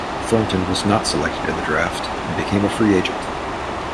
Thornton was not selected in the draft and became a free agent.